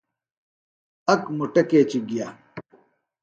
اک مُٹہ کیچیۡ گیہ